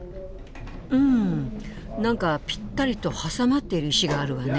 うん何かぴったりと挟まっている石があるわね。